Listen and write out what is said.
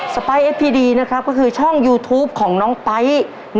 ไปเอฟพีดีนะครับก็คือช่องยูทูปของน้องไป๊